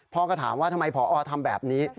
พ่อก็ถามว่าทำไมพอทำแบบนี้